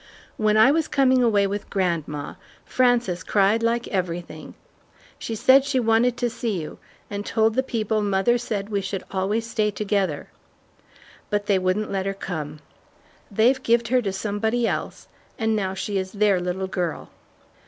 When I was coming away with grandma, Frances cried like everything. She said she wanted to see you, and told the people mother said we should always stay together. But they wouldn't let her come. They've gived her to somebody else, and now she is their little girl."